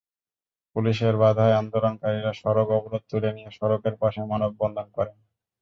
পুলিশের বাধায় আন্দোলনকারীরা সড়ক অবরোধ তুলে নিয়ে সড়কের পাশে মানববন্ধন করেন।